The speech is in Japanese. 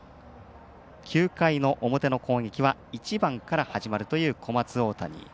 ９回の表の攻撃は１番から始まるという小松大谷。